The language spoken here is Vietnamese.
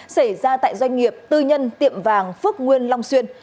xảy ra tại doanh nghiệp tư nhân tiệm vàng phước nguyên long xuyên